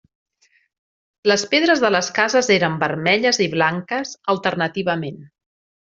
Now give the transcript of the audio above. Les pedres de les cases eren vermelles i blanques alternativament.